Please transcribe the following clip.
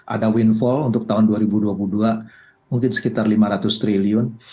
ada windfall untuk tahun dua ribu dua puluh dua mungkin sekitar lima ratus triliun